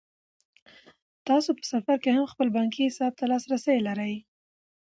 تاسو په سفر کې هم خپل بانکي حساب ته لاسرسی لرئ.